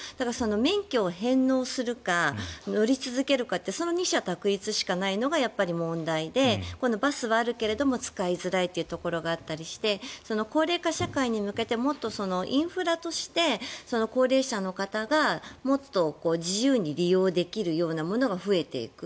免許を返納するか乗り続けるかってその二者択一しかないのがやっぱり問題でバスはあるけど使いづらいというところがあったりして高齢化社会に向けてもっとインフラとして高齢者の方がもっと自由に利用できるようなものが増えていく。